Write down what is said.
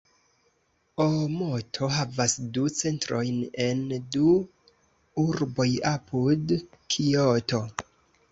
Oomoto havas du centrojn en du urboj apud Kioto.